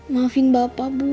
maafin bapak bu